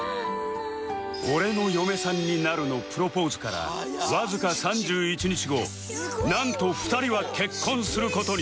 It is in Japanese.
「俺の嫁さんになる」のプロポーズからわずか３１日後なんと２人は結婚する事に